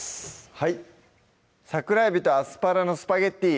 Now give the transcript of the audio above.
はい「桜えびとアスパラのスパゲッティ」